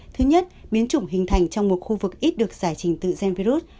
thứ nhất biến chủng hình thành trong một khu vực ít được giải trình tự gen virus